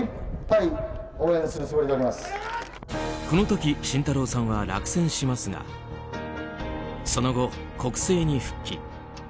この時、慎太郎さんは落選しますがその後、国政に復帰。